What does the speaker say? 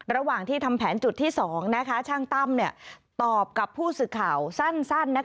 ระหว่างที่ทำแผนจุดที่๒ช่างตั้มตอบกับผู้สื่อข่าวสั้น